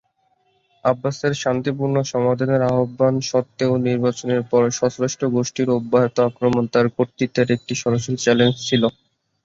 আব্বাসের শান্তিপূর্ণ সমাধানের আহবান সত্ত্বেও নির্বাচনের পর সশস্ত্র গোষ্ঠীর অব্যাহত আক্রমণ তার কর্তৃত্বের একটি সরাসরি চ্যালেঞ্জ ছিল।